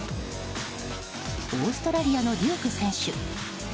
オーストラリアのデューク選手。